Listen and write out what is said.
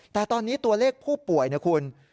แต่ตอนนี้ตัวเลขผู้ป่วยนะคุณ